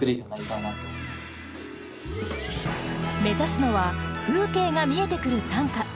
目指すのは風景が見えてくる短歌。